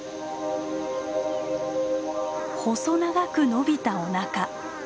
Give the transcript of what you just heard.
細長く伸びたおなか。